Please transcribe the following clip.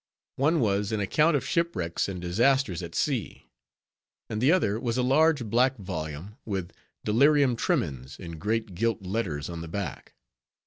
One was an account of Shipwrecks and Disasters at Sea, and the other was a large black volume, with Delirium Tremens in great gilt letters on the back.